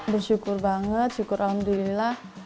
bersyukur banget syukur alhamdulillah